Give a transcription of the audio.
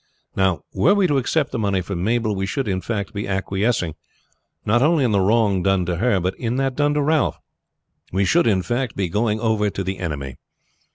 Now, were we to accept the money for Mabel we should in fact be acquiescing, not only in the wrong done to her but in that done to Ralph. We should, in fact, be going over to the enemy.